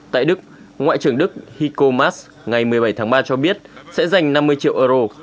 tại đức ngoại trưởng đức hiko mas ngày một mươi bảy tháng ba cho biết sẽ dành năm mươi triệu euro